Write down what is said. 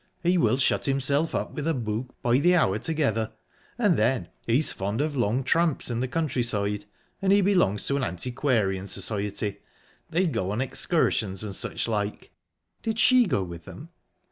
He will shut himself up with a book by the hour together. And then he's fond of long tramps in the countryside; and he belongs to an antiquarian society they go on excursions and suchlike." "Did she go with them?"